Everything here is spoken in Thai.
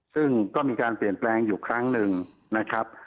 ซึ่งก็มีการเปลี่ยนแปลงอยู่ครั้งหนึ่งนะครับ